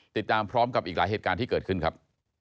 ติดตามพร้อมกับอีกหลายเหตุการณ์ที่เกิดขึ้นครับ